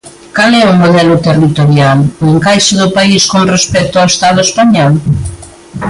Cal é o modelo territorial, o encaixe do país con respecto o Estado español?